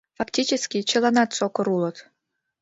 Фактически чыланат сокыр улыт!